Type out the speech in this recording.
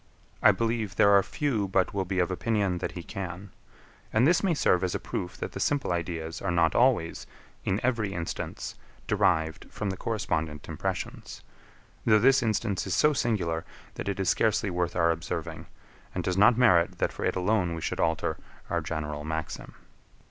I believe there are few but will be of opinion that he can: and this may serve as a proof that the simple ideas are not always, in every instance, derived from the correspondent impressions; though this instance is so singular, that it is scarcely worth our observing, and does not merit that for it alone we should alter our general maxim.